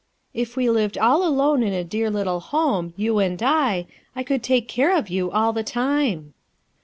If we lived all alone in a dear little home, you and I f I could take care of you all the time."